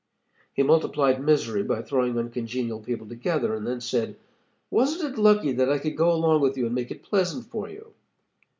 He multiplied misery by throwing uncongenial people together and then said: 'Wasn't it lucky that I could go along with you and make it pleasant for you?'